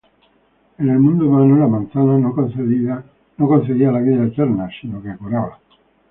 En el mundo humano la manzana no concedía la vida eterna sino que curaba.